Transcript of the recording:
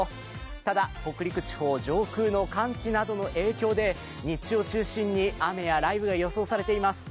ただ北陸地方、上空の寒気などの影響で日中を中心に雨や雷雨が予想されています。